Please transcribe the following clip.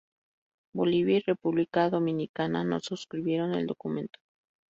Bolivia y República Dominicana no suscribieron el documento.